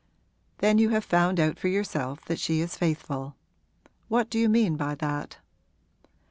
'Then you have found out for yourself that she is faithful. What do you mean by that?'